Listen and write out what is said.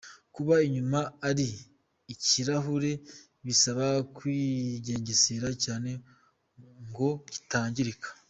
Kuba inyuma ari ikirahure bisaba kwigengesera cyane ngo kitangirika.